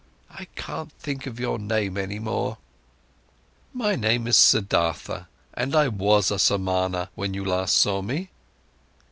I can't think of your name any more." "My name is Siddhartha, and I was a Samana, when you've last seen me."